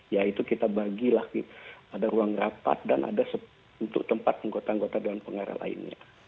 yaitu kita bagilah ada ruang rapat dan ada untuk tempat anggota anggota dewan pengarah lainnya